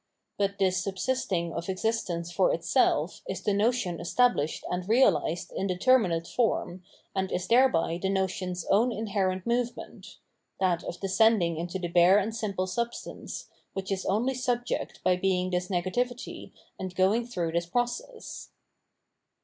But^ this subsisting of existence for itself is the notion established and reahsed in determinate form, and is thereby the notion^s own inherent movement — ^that of descending into the bare and simple substance, which is only sub ject by being this negativity and going through this process.